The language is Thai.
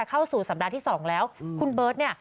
เข้าสู่สัปดาห์ที่สองแล้วคุณเบิร์ตเนี่ย